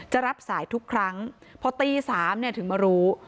จะรับสายทุกครั้งพอตีสามเนี่ยถึงมารู้